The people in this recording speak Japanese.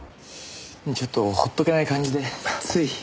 ちょっと放っとけない感じでつい。